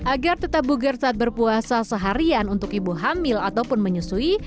agar tetap bugar saat berpuasa seharian untuk ibu hamil ataupun menyusui